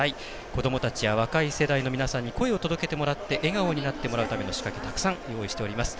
子どもたちや若い世代の皆さんに声を届けてもらって笑顔になってもらうための仕掛けたくさん用意しています。